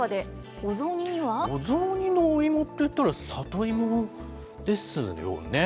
お雑煮のおイモっていったらサトイモですよね。